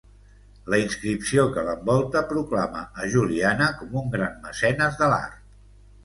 La inscripció que l'envolta proclama a Juliana com un gran mecenes de l'art.